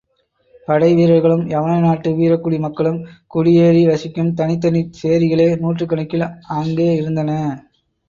படைவீரர்களும் யவன நாட்டு வீரக்குடி மக்களும் குடியேறி வசிக்கும் தனித்தனிச் சேரிகளே நூற்றுக்கணக்கில் அங்கே இருந்தன.